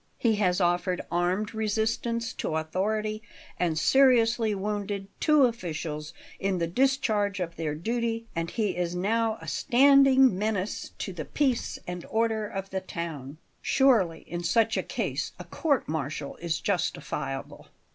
He has offered armed resistance to authority and seriously wounded two officials in the discharge of their duty, and he is now a standing menace to the peace and order of the town. Surely, in such a case, a court martial is justifiable."